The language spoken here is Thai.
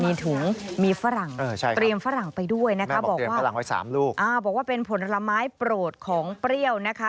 มีถุงมีฝรั่งตรียมฝรั่งไปด้วยนะคะแม่บอกว่าเป็นผลไม้โปรดของเปรี้ยวนะคะ